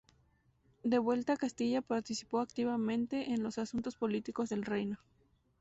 De vuelta a Castilla, participó activamente en los asuntos políticos del reino.